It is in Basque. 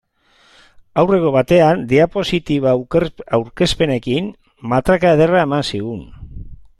Aurreko batean diapositiba aurkezpenekin matraka ederra eman zigun.